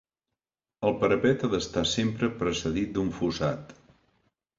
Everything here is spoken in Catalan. El parapet ha d'estar sempre precedit d'un fossat.